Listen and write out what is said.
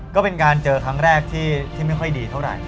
ก็เป็นการเจอครั้งแรกที่ไม่ค่อยดีเท่าไหร่